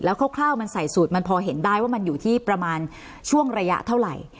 คร่าวมันใส่สูตรมันพอเห็นได้ว่ามันอยู่ที่ประมาณช่วงระยะเท่าไหร่